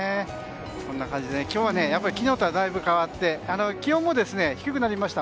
こんな感じで今日は昨日とだいぶ変わって気温も低くなりました。